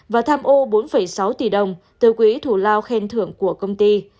và tham ô bốn sáu tỷ đồng từ quỹ thủ lao khen thưởng của công ty